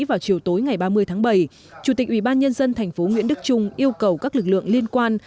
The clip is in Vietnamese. vào chiều tối ngày ba mươi tháng bảy chủ tịch ubnd tp nguyễn đức trung yêu cầu các lực lượng liên quan